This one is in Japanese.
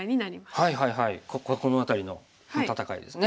はいはいはいこの辺りの戦いですね。